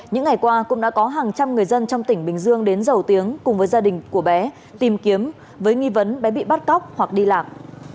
những ngày qua cũng đã có hàng trăm người dân trong tỉnh bình dương đến giàu tiếng cùng với gia đình của bé tìm kiếm với nghi vấn bé bị bắt cóc hoặc đi làm